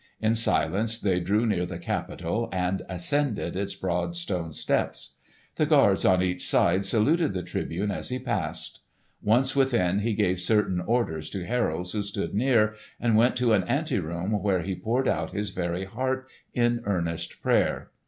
In silence they drew near the Capitol and ascended its broad stone steps. The guards on each side saluted the Tribune as he passed. Once within, he gave certain orders to heralds who stood near, and went to an ante room where he poured out his very heart in earnest prayer.